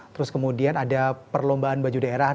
terus kemudian ada perlombaan baju daerah